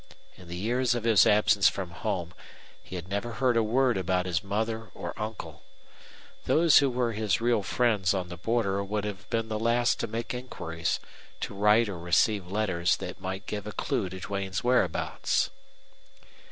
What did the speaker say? In the years of his absence from home he had never heard a word about his mother or uncle. Those who were his real friends on the border would have been the last to make inquiries, to write or receive letters that might give a clue to Duane's whereabouts.